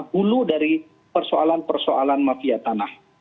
hulu dari persoalan persoalan mafia tanah